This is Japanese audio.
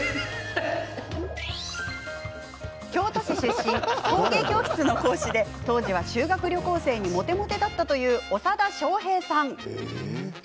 京都市出身、陶芸教室の講師で当時は修学旅行生にモテモテだったという長田庄平さん。